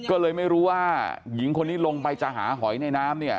ก็เลยไม่รู้ว่าหญิงคนนี้ลงไปจะหาหอยในน้ำเนี่ย